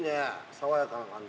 爽やかな感じ。